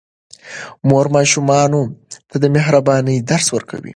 مور ماشومانو ته د مهربانۍ درس ورکوي.